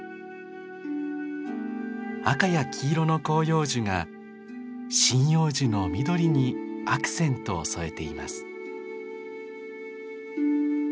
赤や黄色の広葉樹が針葉樹の緑にアクセントを添えています。